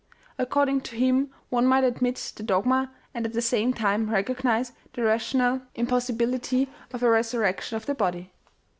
According to him one OMEGA. 129 might admit the dogma, and at the same time recognize the rational impossibility of a resurrection of the body